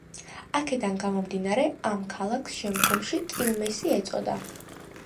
აქედან გამომდინარე, ამ ქალაქს შემდგომში კილმესი ეწოდა.